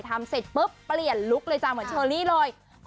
คุณผู้ชมหยอก